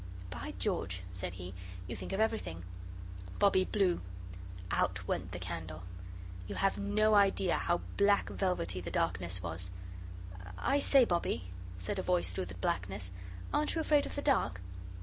"By George," said he, "you think of everything." Bobbie blew. Out went the candle. You have no idea how black velvety the darkness was. "I say, Bobbie," said a voice through the blackness, "aren't you afraid of the dark?"